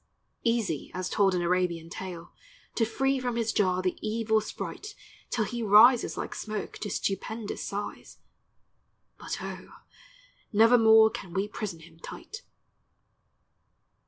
Easy as told in Arabian tale, To free from his jar the evil sprite Till he rises like smoke to stupendous size, But O, nevermore can we prison him tight.